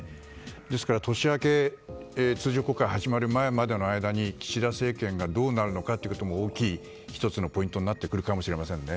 ですから、年明け通常国会が始まる前までの間に岸田政権がどうなるのかも大きい１つのポイントになってくるかもしれませんね。